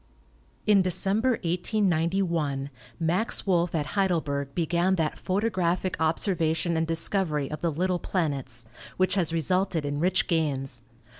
In December, 1891, Max Wolff at Heidelberg began that photographic observation and discovery of the little planets, which has resulted in rich gains.